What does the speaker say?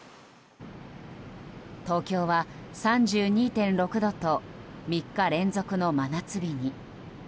東京は３２．６度と３日連続の真夏日に。